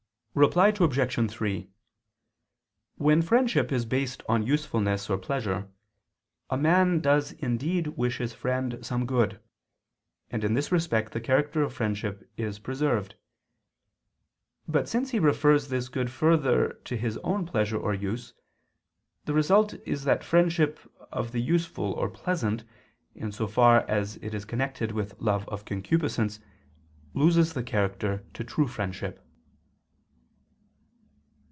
Reply Obj. 3: When friendship is based on usefulness or pleasure, a man does indeed wish his friend some good: and in this respect the character of friendship is preserved. But since he refers this good further to his own pleasure or use, the result is that friendship of the useful or pleasant, in so far as it is connected with love of concupiscence, loses the character to true friendship.